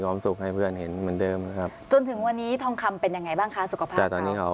ความสุขให้เพื่อนเห็นเงินเดิมครับจนถึงวันนี้ทองคำเป็นยังไงบ้างคะสุขภาพสามารถนี้เหรอ